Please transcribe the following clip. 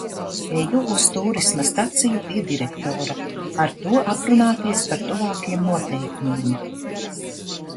Eju uz tūrisma staciju pie direktora – ar to aprunāties par tuvākiem noteikumiem.